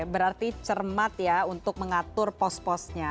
berarti cermat ya untuk mengatur pos posnya